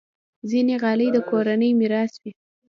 ځینې غالۍ د کورنۍ میراث وي.